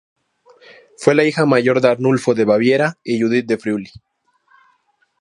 Fue la hija mayor de Arnulfo de Baviera y Judith de Friuli.